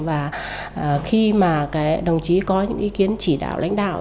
và khi mà đồng chí có những ý kiến chỉ đạo lãnh đạo